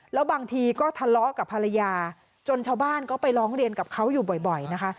แล้วบางทีก็ทะเลาะกับภรรยาจนชาวบ้านก็ไปร้องเรียนกับเขาอยู่บ่อยนะคะ